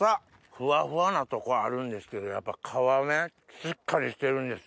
フワフワなとこあるんですけどやっぱ皮目しっかりしてるんですよね。